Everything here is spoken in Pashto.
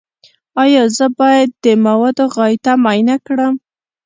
ایا زه باید د مواد غایطه معاینه وکړم؟